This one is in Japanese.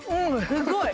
すごい！